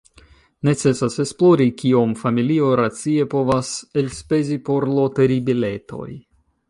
Necesas esplori kiom familio racie povas elspezi por loteribiletoj.